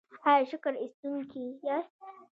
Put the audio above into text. ایا شکر ایستونکي یاست؟